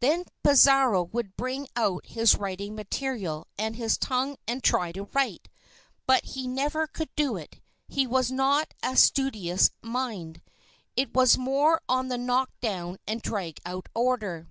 Then Pizarro would bring out his writing material and his tongue and try to write, but he never could do it. His was not a studious mind. It was more on the knock down and drag out order.